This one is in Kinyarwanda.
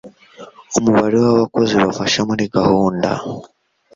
umubare w'abakozi bafasha muri gahunda